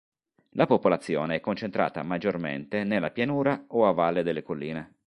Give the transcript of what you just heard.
La popolazione è concentrata maggiormente nella pianura o a valle delle colline.